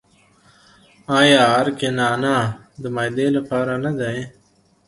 آیا عرق نعنا د معدې لپاره نه دی؟